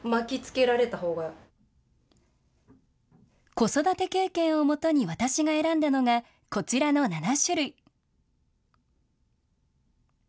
子育て経験をもとに、私が選んだのがこちらの７種類。